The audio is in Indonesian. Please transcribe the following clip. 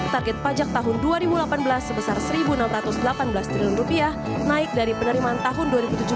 target pajak tahun dua ribu delapan belas sebesar rp satu enam ratus delapan belas triliun naik dari penerimaan tahun dua ribu tujuh belas